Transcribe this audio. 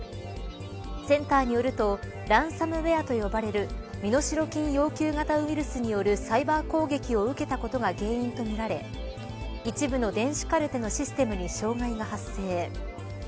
センターによるとランサムウェアと呼ばれる身代金要求型ウイルスによるサイバー攻撃を受けたことが原因とみられ一部の電子カルテのシステムに障害が発生。